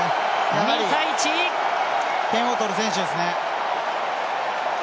やはり点を取る選手ですね。